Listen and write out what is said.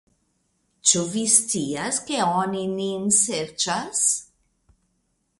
Ĉu vi scias, ke oni nin serĉas?